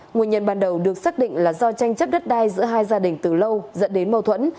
nguyên nhân ban đầu được xác định là do tranh chấp đất đai giữa hai gia đình từ lâu dẫn đến mâu thuẫn